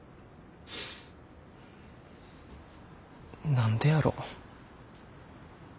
何でやろ。